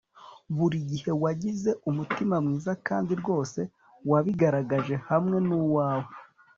burigihe wagize umutima mwiza kandi rwose wabigaragaje hamwe nuwawe